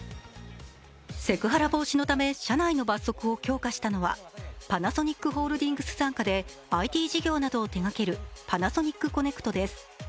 セクハラ防止のため社内の罰則を強化したのはパナソニックホールディングス傘下でＩＴ事業などを手がけるパナソニックコネクトです。